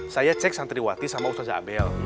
saya cek santriwati sama ustadz ⁇ abel